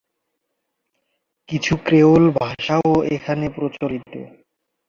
কিছু ক্রেওল ভাষাও এখানে প্রচলিত।